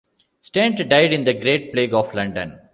Stent died in the Great Plague of London.